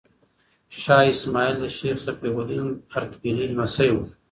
شاه اسماعیل د شیخ صفي الدین اردبیلي لمسی و.